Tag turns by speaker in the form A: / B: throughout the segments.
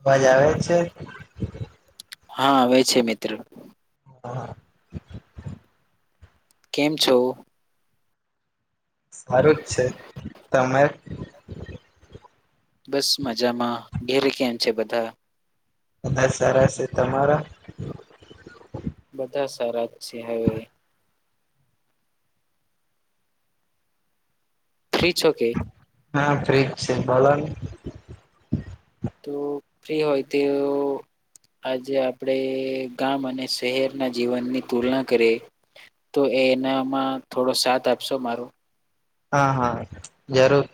A: અવાજ આવે છે?
B: હા, આવે છે મિત્ર.
A: [unintelligible]
B: કેમ છો?
A: સારું જ છે. તમે?
B: બસ મજામાં, ઘેરે કેમ છે બધા?
A: બધાં સારા સે. તમારા?
B: બધા સારા જ છે હવે. ફ્રી છોકે?
A: હા, ફ્રી જ છું બોલોની.
B: તો ફ્રી હોય તેઓ આજે આપડે ગામ અને સહેરના જીવનની તુલના કરીએ. તો એનામાં થોડો સાથ આપસો મારો?
A: હા હા, જરૂર.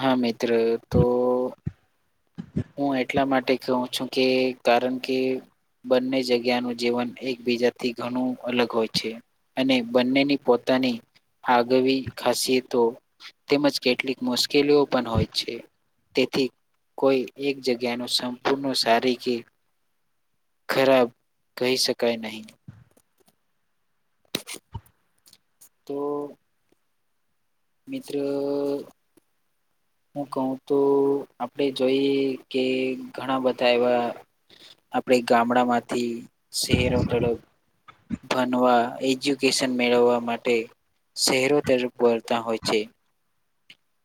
B: હા, મિત્ર તો હું એટલા માટે કહું છું કે કારણ કે બંને જગ્યાનું જીવન એકબીજાથી ઘણું અલગ હોય છે. અને બંનેની પોતાની આગવી ખાસિયતો તેમજ કેટલીક મુશ્કેલીઓ પણ હોય છે. તેથી કોઈ એક જગ્યા નું સંપૂર્ણ સારી કે ખરાબ કહી શકાય નહી. [inaudible] તો. મિત્ર, હું કહું તો આપડે જોઈએ કે ઘણાં બધાં એવા આપડે ગામડામાંથી સેહેરો તરફ. ભણવા, એજ્યુકેશન મેળવવા માટે. સહેરો તરફ વળતા હોય છે.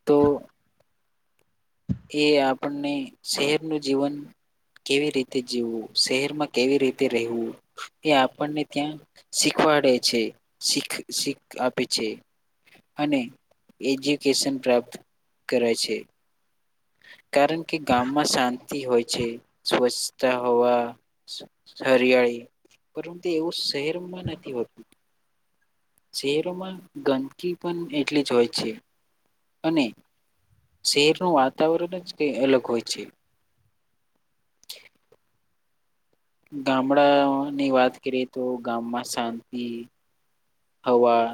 B: તો. એ આપણને શેહેરનું જીવન. કેવી રીતે જીવવું, શહેરમાં કેવી રીતે રેહવું એ આપણને ત્યાં શીખ વાડે છે શીખ શીખ આપે છે. અને એજ્યુકેશન પ્રાપ્ત કરાય છે. કારણ કે, ગામમાં શાંતિ હોય છે સ્વચ્છતા હોવા હરિયાળી પરંતુ એવું શહેરમાં નથી હોતું. શેહેરોમાં ગંદકી પણ એટલી જ હોય છે અને શેહેરનું વાતાવરણ જ કય અલગ હોય છે. ગામડા ઓની વાત કરીએ તો ગામમાં શાંતિ. હવા,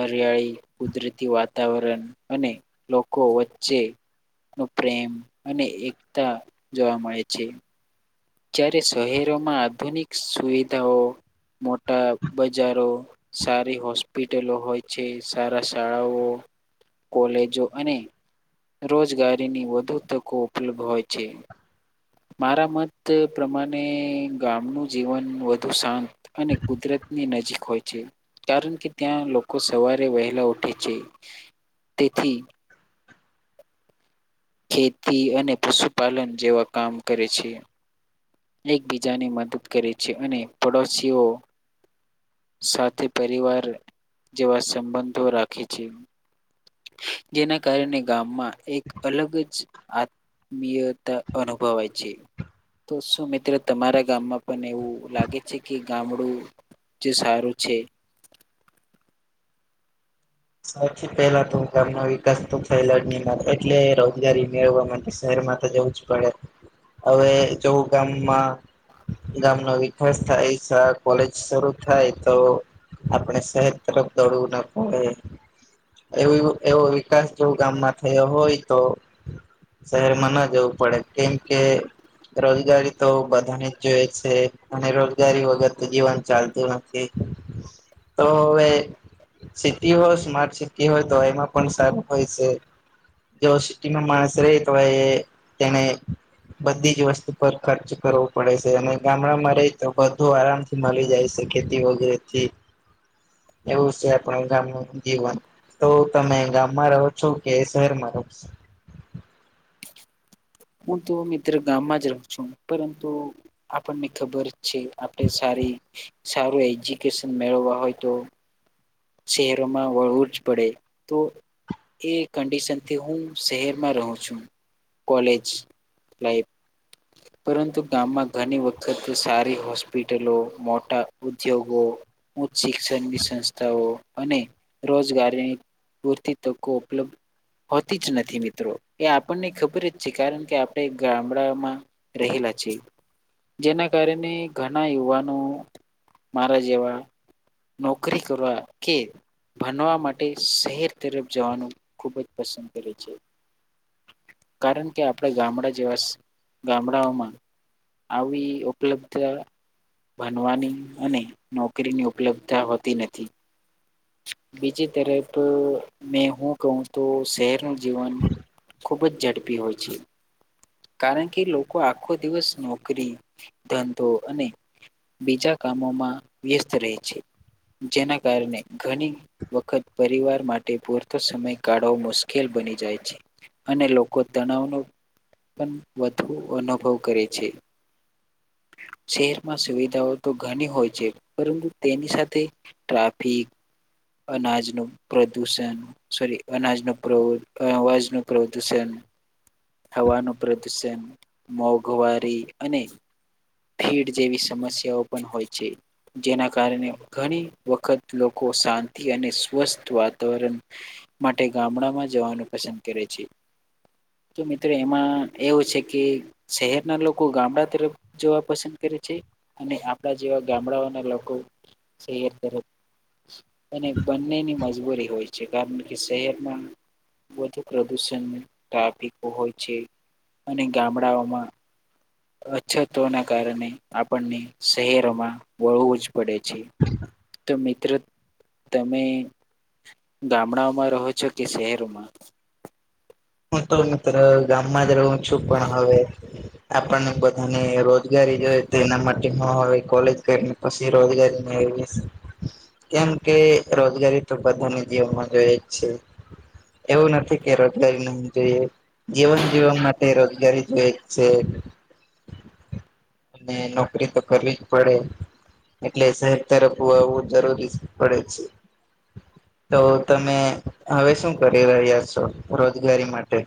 B: હરિયાળી, કુદરતી વાત વાતાવરણ અને લોકો વચ્ચે નો પ્રેમ અને એકતા જોવા મળે છે. જ્યારે શહેરોમાં આધુનિક સુવિધાઓ. મોટા બજારો સારી હોસ્પિટલો હોય છે સારા શાળાઓ. કોલેજો અને. રોજગારીની વધુ તકો ઉપલબ્ધ હોય છે. મારા મત પ્રમાણે ગામનું જીવન વધુ શાંત અને કુદરતની. નજીક હોય છે કારણ કે ત્યાં લોકો સવારે વહેલા ઉઠે છે. તેથી. ખેતી અને પશુપાલન જેવા કામ કરે છે. એકબીજાને મદદ કરે છે અને પડોશીઓ. સાથે પરિવાર જેવા સંબંધો રાખે છે. જેના કારણે ગામમાં. એક અલગ જ આત્મીયતા અનુભવાય છે. તો શું મિત્રો તમારા ગામમાં પણ એવું લાગે છે કે ગામડું. જે સારું છે.
A: સૌથી પેલા તો ગામ ના વિકાસ તો થયેલા જ ની મલે એટલે રોજગારી મેળવા માટે શહે ર માં તો જવું જ પડે હવે જો હુ ગામમાં. ગામ નો વિકાસ થાય શાળા કોલેજ શરૂ થાય તો આપડે શહેર તરફ દોડવું ના પડે.
B: [inaudible]
A: એવોએવો એવો વિકાસ જો ગામમાં થયો હોય તો શહેરમાં ના જવું પડે કેમ કે રોજગારી તો બધાને જ જોઈ છે અને રોજગારી વગર તો જીવન ચાલતું નથી.
B: [inaudible]
A: તો હવે સિ ટી હો સ્માર્ટ સિટી હોય તો એમાં પણ સારું હોય છે. જો સિટીમાં માણસ રહે તો એ તેને. બધી જ વસ્તુ પર ખર્ચ કરવો પડે છે અને ગામડામાં રહી તો બધું આરામ થી મળી જાય છે. ખેતી વગેરે થી એવું છે આપણે. ગામનુ જીવન તો તમે ગામમાં રહો છો કે શહેરમાં રહો છો.
B: હું તો મિત્ર ગામમાં જ રહું છું પરંતુ આપણને ખબર છે આપણે સા રી સારું એજ્યુકેશન મેળવા હોય તો શહેરોમાં વળવું જ પડે તો. એ કંડિશનથી હું શહેરમાં રહું છું. કોલેજ લાઈફ પરંતુ ગામમાં ઘણી વખત સારી હોસ્પિટલો મોટા ઉદ્યોગો. ઉ શિક્ષણ ની સં સ્થાઓ અને રોજગારીની પૂરતી તકો ઉપલબ્ધ હોતી જ નથી મિત્રો એ આપણને ખબર જ છે કારણ કે આપણે ગામડામાં રહેલા લા છે. જેના કારણે ઘણા યુવાનો મારા જેવા નોકરી કરવા કે ભનવા માટે શહેર તરફ જવાનું ખૂબ જ પસંદ કરે છે. કારણ કે આપણે ગામડા જેવા શ ગામડાઓમાં આવી ઉપલબ્ધ ભનવાની અને નોકરીની ઉપલબ્તા હોતી નથી. બીજી તરફ મેં હું કહું તો શહેરનું જીવન ખુબ જ ઝડપી હોય છે. કારણ કે લોકો આખો દિવસ નોકરી ધંધો અને બીજા કામોમાં વ્યસ્ત રહે છે જેના કારણે. ઘણી વખત પરિવાર માટે પૂરતો સમય કાઢવો મુશ્કેલ બની જાય છે. અને લોકો તણાવનો પણ વધુ અનુભવ કરે છે. [inaudible] શહેરમાં સુવિધાઓ તો ઘણી હોય છે પરંતુ તેની સાથે ટ્રાફિક અનાજ નું પ્રદુષણ સોરી અનાજ નો પ્ર અવાજ નું પ્રદુષણ હવાનું પ્રદુષણ મોંઘવારી અને ભીડ જેવી સમસ્યાઓ પણ હોય છે જેના કારણે ઘણી વખત લોકો કો શાંતિ અને સ્વસ્થ વાતાવરણ માટે ગામડામાં જવાનું પસંદ કરે છે. તો મિત્રો એમાં એવું છે કે શહેરના લોકો ગામડા તરફ જોવા પસંદ કરે છે અને આપણા જેવા ગામડાઓના લોકો શહેર તરફ અને બંનેની મજબૂરી હોય છે કારણ કે શહેરમાં વધુ પ્રદુષણ ટ્રાફિકો હોય છે અને ગામડાઓમાં અછતો ના કારણે આપણને શહેરોમાં વાઊજ પડે છે તો મિત્રો તમે ગામડાઓમાં રહો છો કે શહેરમાં.
A: હું તો મિત્ર ગામમાં જ રહું છું પણ હવે. આપણને બધાને રોજગારી જો તો એના માટે હ હવે કોલેજ કરીને પછી રોજગારી મે [unintelligible] કેમ કે રોજગારી તો બધાને જીવનમાં જોય જ છે. એવું નથી કે રોજગારી નો જોઈએ જીવન જીવન માટે રોજગારી જઈએ જ છે. અને નોકરી તો કરવી જ પડે. એટલે શહેર તરફ [unintelligible] જરૂરી પડે છે. તો તમે હવે શું કરી રહ્યા છો રોજ ઘરી માટે.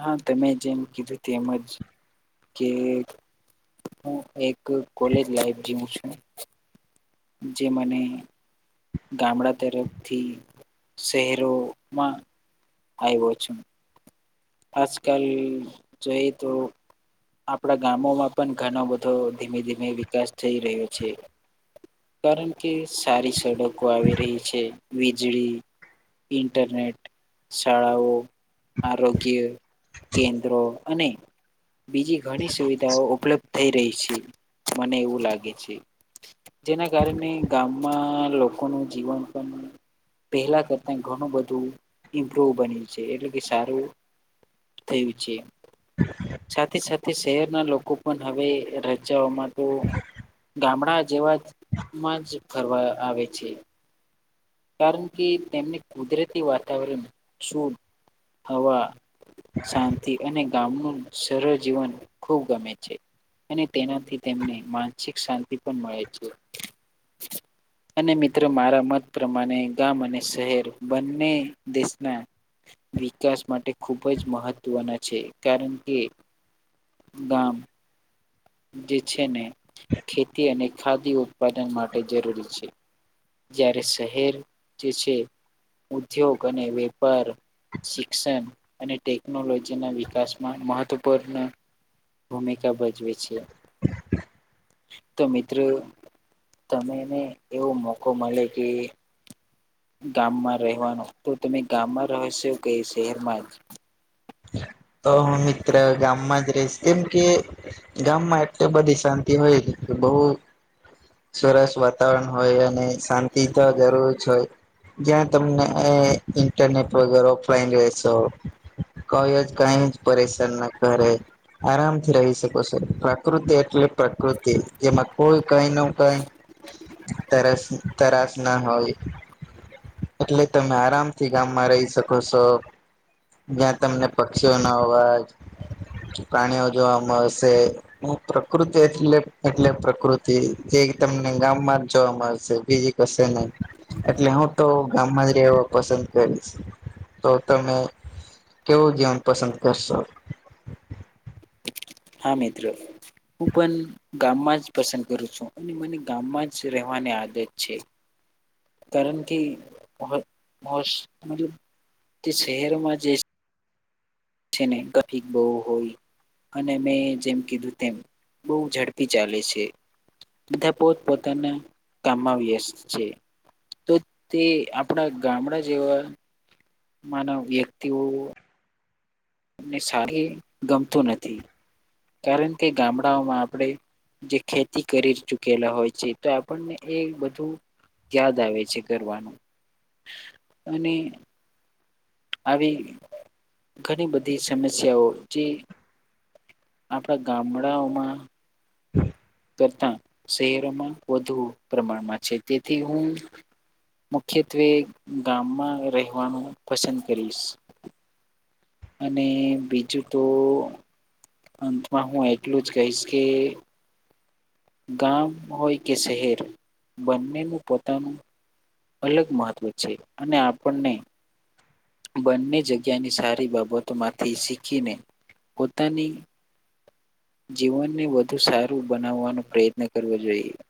B: હા તમે જેમ કીધું તેમજ કે હું એક કોલેજ લાઈફ જીવું છું. જે મને ગામડા તરફથી શહેરોમાં આવ્યો છું. આજ કલ જોઈ તો આપણા ગામોમાં પણ ઘણો બધો ધીમે ધીમે વિકાસ થઈ રહ્યો છે કારણ કે સારી સડકો આવી રહી છે વીજળી ઇન્ટરનેટ શાળાઓ આગ્ય કેન્દ્રો અને બીજી ઘણી સુવિધાઓ ઉપલબ્ધ થઈ રહી છે મને એવું લાગે છે જેના કારણે ગામમાં લોકોનું જીવન પણ પહેલા કરતા ઘણું બધું ઇમ્પ્રુવ બન્યું છે એટલે કે સારું તે વિ છેે
A: હ
B: સાથે સાથે શહેરના લોકો પણ હવે રજાઓમાં તો ગામડા જેવા માં જ ફરવા આવે છે. કારણ કે તેમને કુદરતી વાતાવરણ શુધ હવા શાંતિ અને ગામનું સરળ જીવન ખૂબ ગમે છે. અને તેનાથી તેમને માનસિક શાંતિ પણ મળે છે. અને મિત્રો મારા મત પ્રમાણે ગામ અને શહેર બંને દેશના વિકાસ માટે ખૂબ જ મહત્ત્વના છે. કારણ કે ગામ જે છે ને ખેતી અને ખાદી્ય ઉત્પાદન માટે જરૂરી છે. જ્યારે શહેર જે છે ઉદ્યોગ અને વેપાર શિક્ષણ અને ટેકનોલોજી ના વિકાસમાં મહત્વપૂર્ણ ભૂમિકા ભજવે છે. તો મિત્રો તમમેને એવો મોકો મલે કે ગામમાં રહેવાનું તો તમે ગામમાં રહેશો કે શહેરમાં જ?
A: છે. તો હું મિત્ર ગામમાં જ રહીશ. કેમ કે ગામમાં એટલે બધી શાંતિ હોય બહુ સરસ વાતાવરણ હોય અને શાંતિ તો જરૂર જ હોય. જ્યાં તમને ઇન્ટરનેટ વગેર ઓફલાઈન રહેશો કઈ જ કઈ જ પરેશાન ના કરે આરામથી રહી શકો છો પ્રકૃતિ એટલે પ્રકૃતિ જેમાં કોઈ કઈ નો કઈ તરસ તરાસ ના હોય એટલે તમે આરામથી ગામમાં રહી શકો છો. જ્યાં તમને પક્ષીઓનો અવાજ પ્રાણીઓ જોવા મળશે ને પ્રકૃતિ એલે એટલે પ્રકૃતિ જે એ તમને ગામમાં જ જોવા મળશે બીજી કસે નહી એટલે હું તો ગામ માં જ એવો પસંદ કરીશ. તો તમે કેવું જીવન પસંદ કરશો?
B: હા મિત્ર. હું પણ ગામમાં જ પસંદ કરું છું અને મને ગામમાં જ રહેવાની આદત છે. કારણ કે મો મોસ પૂરું તે શહેરમાં જે છે ને કથી બહુ હોય. અને મેં જેમ કીધું તેમ બહુ ઝડપી ચાલે છે. બધા પોત પોતાના કામમાં વ્યસ્ત છે. તો તે આપણા ગામડા જેવા માનવ વ્યક્તિઓ ને સારી ગમતું નથી કારણ કે ગામડાઓમાં આપણે જે ખેતી કરી ચૂકેલા હોય છે તો આપણને એ બધું યાદ આવે છે કરવાનું અને આવી ઘણી બધી સમસ્યાઓ જે આપડા ગામડાઓમાં કરતા શહેરોમાં વધુ પ્રમાણમાં છે તેથી હું મુખ્યત્વે ગામમાં રહેવાનું પસંદ કરીશ. અને બીજું તો અંતમાં હું એટલું જ કહીશ કે ગામ હોય કે શહેર બંનેનું પોતાનું અલગ મહત્વ છે અને આપણને બંને જગ્યાની સારી બાબતોમાંથી શીખીને પોતાની જીવનને વધુ સારું બનાવવાનો પ્રયત્ન કરવો જોઈએ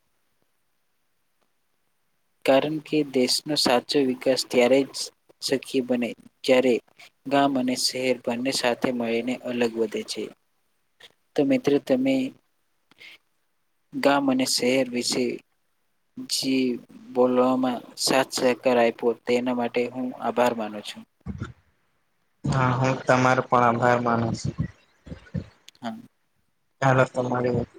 B: કારણ કે દેશનો સાચો વિકાસ ત્યારે જ સખ્ય બને જ્યારે ગામ અને શહેર બંને સાથે મળીને અલગ વધે છે તો મિત્ર તમે ગામ અને શહેર વિશે જે બોલવામાં સાથ સહકાર આપ્યો તેના માટે હું આભાર માનું છું
A: હા હું તમારો પણ આભાર માનું છું
B: હા
A: ચાલ તમા તમારી વાત